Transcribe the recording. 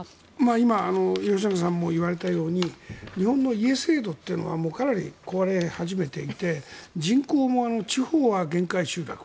今、吉永さんも言われたように日本の家制度というのはもうかなり壊れ始めていて人口も地方は限界集落。